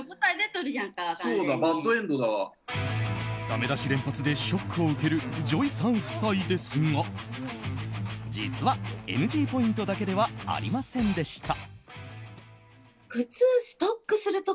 ダメ出し連発でショックを受けるＪＯＹさん夫妻ですが実は、ＮＧポイントだけではありませんでした。